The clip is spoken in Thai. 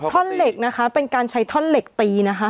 ท่อนเหล็กนะคะเป็นการใช้ท่อนเหล็กตีนะคะ